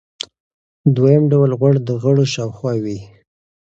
دویم ډول غوړ د غړو شاوخوا وي.